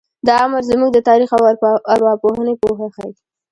دا عمل زموږ د تاریخ او ارواپوهنې پوهه ښیي.